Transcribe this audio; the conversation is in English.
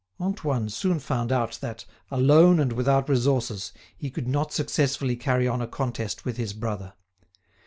Antoine soon found out that, alone and without resources, he could not successfully carry on a contest with his brother.